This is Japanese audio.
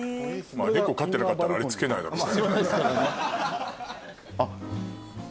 猫飼ってなかったらあれ付けないだろうね。